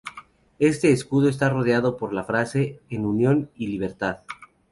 Este escudo está rodeado por la frase "En Unión y Libertad".